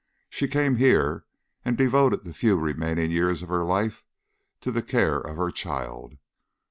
She came here and devoted the few remaining years of her life to the care of her child.